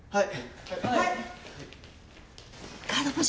はい！